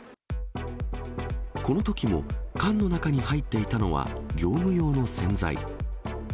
このときも、缶の中に入っていたのは業務用の洗剤。